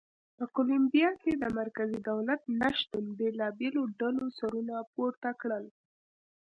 په کولمبیا کې د مرکزي دولت نه شتون بېلابېلو ډلو سرونه پورته کړل.